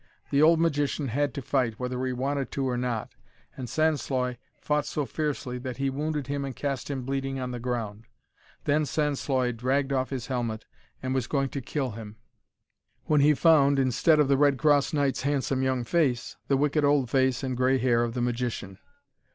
The old magician had to fight, whether he wanted to or not, and Sansloy fought so fiercely that he wounded him and cast him bleeding on the ground. Then Sansloy dragged off his helmet and was going to kill him, when he found, instead of the Red Cross Knight's handsome young face, the wicked old face and grey hair of the magician.